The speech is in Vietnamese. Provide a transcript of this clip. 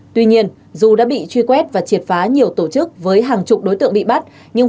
tuy nhiên dù đã bị truy quét và triệt phá nhiều tổ chức với hàng chục đối tượng bị bắt nhưng